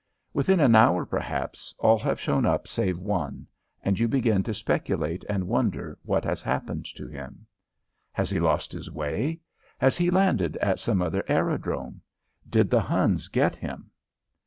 Within an hour, perhaps, all have shown up save one, and you begin to speculate and wonder what has happened to him. Has he lost his way? Has he landed at some other aerodrome? Did the Huns get him?